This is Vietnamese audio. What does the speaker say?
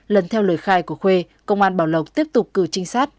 lần theo lời khai của khuê công an bảo lộc tiếp tục cử trinh sát